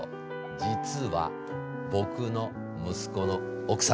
実は僕の息子の奥さんなんです！